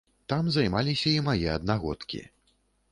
Там займаліся і мае аднагодкі.